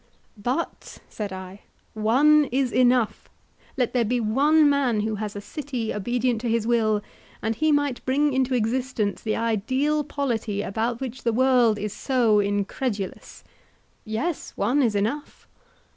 But, said I, one is enough; let there be one man who has a city obedient to his will, and he might bring into existence the ideal polity about which the world is so incredulous. Yes, one is enough.